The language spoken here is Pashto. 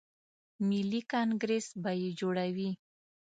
ملي کانګریس به یې جوړوي.